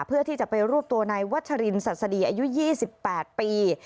เพื่อที่จะไปรวบตัวนายวัชรินสัสดีอายุ๒๘ปี